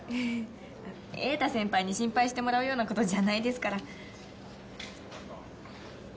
瑛太先輩に心配してもらうような事じゃないですから。